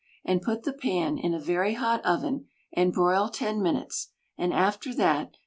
And put the pan. In a very hot oven. And broil ten minutes. And after that.